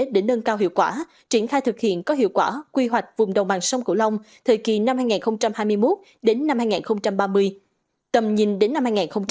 để nâng cao hiệu quả triển khai thực hiện có hiệu quả quy hoạch vùng đồng bằng sông cổ long thời kỳ năm hai nghìn hai mươi một đến năm hai nghìn ba mươi tầm nhìn đến năm hai nghìn năm mươi